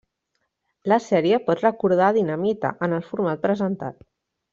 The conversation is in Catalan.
La sèrie pot recordar a Dinamita, en el format presentat.